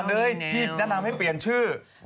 ช้อนเอ้ยพี่แนะนำให้เปลี่ยนชื่อ